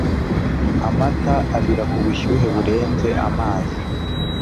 Amata abira ku bushyuhe burenze amazi.